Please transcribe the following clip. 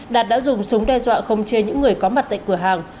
đạt đã dùng súng đe dọa không chê những người có mặt tại cửa hàng